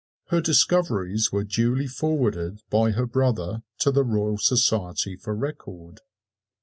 Her discoveries were duly forwarded by her brother to the Royal Society for record.